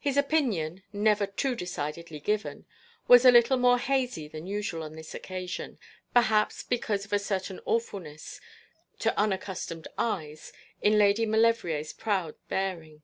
His opinion, never too decidedly given, was a little more hazy than usual on this occasion, perhaps because of a certain awfulness, to unaccustomed eyes, in Lady Maulevrier's proud bearing.